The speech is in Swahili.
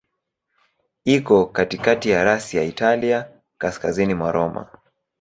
Iko katikati ya rasi ya Italia, kaskazini kwa Roma.